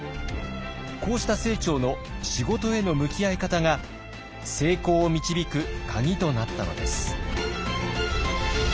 こうした清張の仕事への向き合い方が成功を導く鍵となったのです。